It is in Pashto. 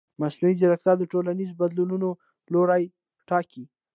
مصنوعي ځیرکتیا د ټولنیزو بدلونونو لوری ټاکي.